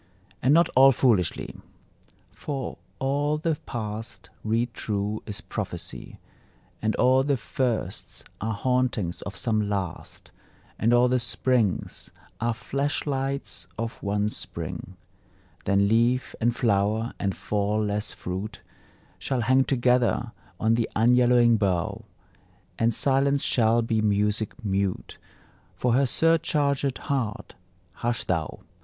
And not all foolishly: For all the past, read true, is prophecy, And all the firsts are hauntings of some Last, And all the springs are flash lights of one Spring. Then leaf, and flower, and fall less fruit Shall hang together on the unyellowing bough; And silence shall be Music mute For her surchargèd heart. Hush thou!